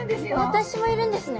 私もいるんですね。